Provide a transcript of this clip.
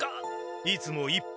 いつも一方